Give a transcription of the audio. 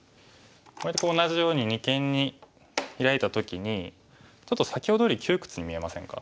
これと同じように二間にヒラいた時にちょっと先ほどより窮屈に見えませんか？